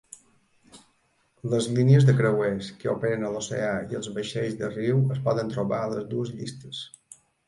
Les línies de creuers que operen a l'oceà i els vaixells de riu es poden trobar a les dues llistes.